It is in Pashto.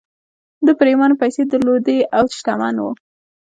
ده پرېمانه پيسې درلودې او شتمن و